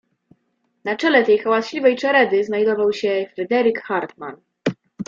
"Na czele tej hałaśliwej czeredy znajdował się Fryderyk Hartmann."